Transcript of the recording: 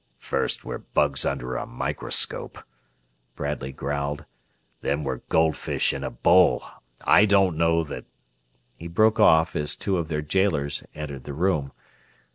"First we're bugs under a microscope," Bradley growled, "then we're goldfish in a bowl. I don't know that...." He broke off as two of their jailers entered the room.